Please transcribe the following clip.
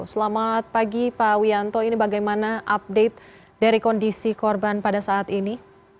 selamat pagi pak wianto ini bagaimana update dari kondisi korban pada saat ini